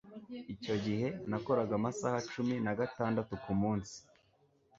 Icyo gihe nakoraga amasaha cumi nagatandatu kumunsi